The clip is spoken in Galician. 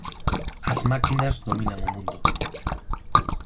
As máquinas dominan o mundo.